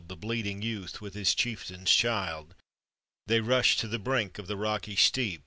The bleeding youth with his chieftain's child. They rushed to the brink of the rocky steep.